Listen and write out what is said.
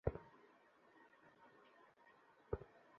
কথা ছিল মারাঠা অধিপতি পেশওয়া বাজিরাওয়ের চরিত্রে অভিনয় করবেন সালমান খান।